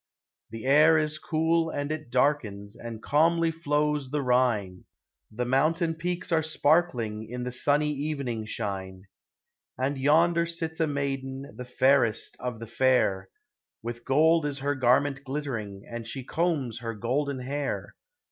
The air is cool, and it darkens, And calmly flows the Rhine ; The mountain peaks are sparkling In the sunny evening shine. And yonder sits a maiden, The fairest of the fair ; With gold is her garment glittering, And she combs her golden hair.